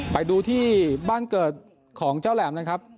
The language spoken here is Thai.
ไปดูที่บ้านเกิดของเจ้าแหลมนะครับ